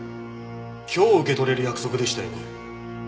今日受け取れる約束でしたよね。